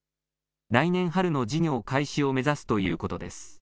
来年春の事業開始を目指すということです。